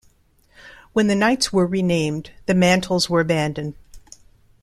When the knights were renamed, the mantles were abandoned.